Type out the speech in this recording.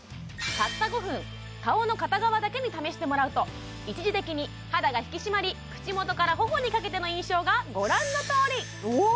たった５分顔の片側だけに試してもらうと一時的に肌が引き締まり口元から頬にかけての印象がご覧のとおりうわ！